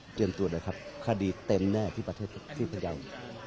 เตรียมตัวด้วยครับคดีเต็มแน่ที่ประเทศที่พยาบาล